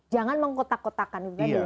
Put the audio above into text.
jangan mengkotak kotakan gitu kan ya